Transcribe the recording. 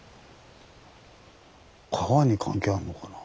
川に関係あるのかな？